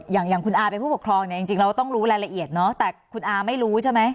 อย่างคุณอาเป็นผู้ปกครองเนี่ยจริงเราต้องรู้รายละเอียดเนาะแต่คุณอาไม่รู้ใช่ไหม